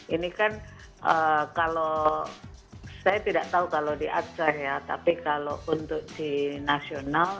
ini kan kalau saya tidak tahu kalau di aceh ya tapi kalau untuk di nasional